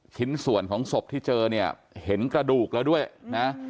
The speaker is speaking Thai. ชิ้นส่วนของศพที่เจอเนี่ยเห็นกระดูกแล้วด้วยนะ